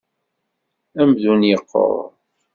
Amdun yequṛ.